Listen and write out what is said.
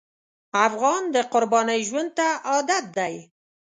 افغان د قربانۍ ژوند ته عادت دی.